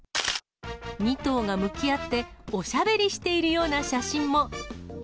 ２頭が向き合っておしゃべりしているような写真も。